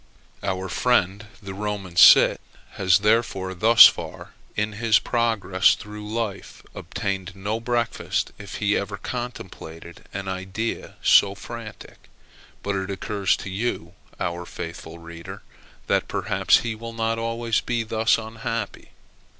Our friend, the Roman cit, has therefore thus far, in his progress through life, obtained no breakfast, if he ever contemplated an idea so frantic. But it occurs to you, our faithful reader, that perhaps he will not always be thus unhappy.